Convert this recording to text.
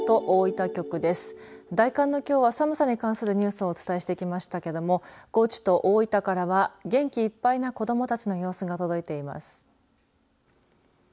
大寒のきょうは、寒さに関するニュースをお伝えしてきましたけども高知と大分からは元気いっぱいな子どもたちの様子が届いています。